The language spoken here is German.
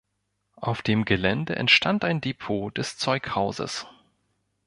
Auf dem Gelände entstand ein Depot des Zeughauses.